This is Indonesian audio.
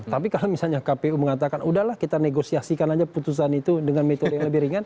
tapi kalau misalnya kpu mengatakan udahlah kita negosiasikan aja putusan itu dengan metode yang lebih ringan